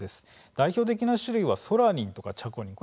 代表的な種類はソラニンとチャコニンです。